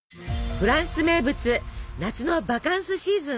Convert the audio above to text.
フランス名物夏のバカンスシーズン。